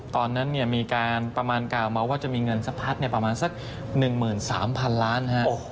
ตอนนั้นมีการประมาณกล่าวมาว่าจะมีเงินสะพัดประมาณสัก๑๓๐๐๐ล้าน